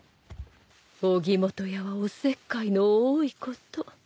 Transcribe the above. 荻本屋はおせっかいの多いこと。